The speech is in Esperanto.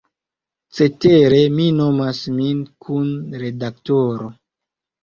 Cetere mi nomas min "kun-redaktoro".